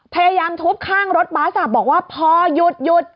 พยายามทุบข้างรถบัสบอกว่าพอหยุดหยุด